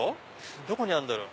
どこにあるんだろう？